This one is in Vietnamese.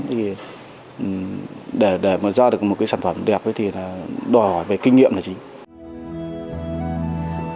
để mà ra được một cái sản phẩm đẹp thì đòi hỏi về kinh nghiệm là chính